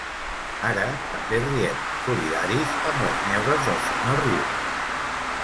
Ara també riem, solidaris amb les neures del senyor Rius.